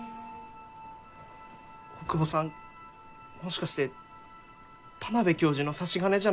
大窪さんもしかして田邊教授の差し金じゃないですか？